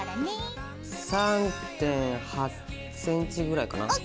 ３．８ｃｍぐらいかな。